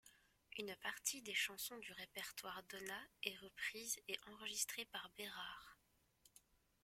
Une partie des chansons du répertoire Dona est reprise et enregistrée par Bérard.